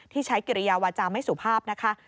ใช้กิริยาวาจาไม่สุภาพนะคะ